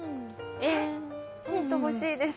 ヒント欲しいです。